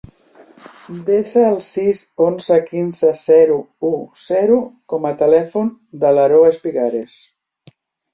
Desa el sis, onze, quinze, zero, u, zero com a telèfon de l'Aroa Espigares.